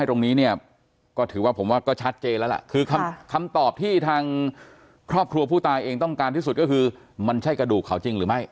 ตรงนี้เนี่ยก็ถือว่าผมว่าก็ชัดเจนแล้วล่ะคือคำตอบที่ทางครอบครัวผู้ตายเองต้องการที่สุดก็คือมันใช่กระดูกเขาจริงหรือไม่